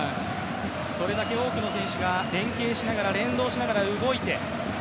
それだけ多くの選手が連携しながら、連動しながら動いて。